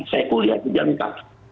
saya kuliah itu jalan kaki